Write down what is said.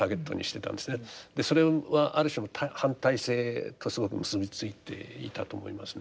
それはある種反体制とすごく結び付いていたと思いますね。